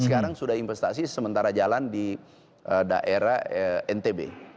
sekarang sudah investasi sementara jalan di daerah ntb